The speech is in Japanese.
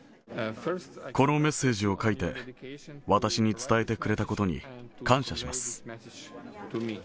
このメッセージを書いて、私に伝えてくれたことに感謝します。